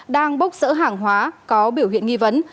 đang bốc rỡ hàng hóa có biểu hiện nghi vấn